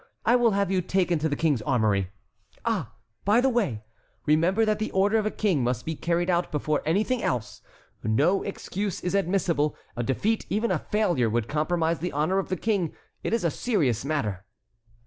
I will have you taken to the King's armory. Ah! by the way! remember that the order of a King must be carried out before anything else. No excuse is admissible; a defeat, even a failure, would compromise the honor of the King. It is a serious matter."